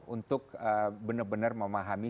untuk benar benar memahami